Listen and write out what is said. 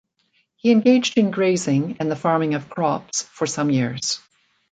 He engaged in grazing and the farming of crops for some years.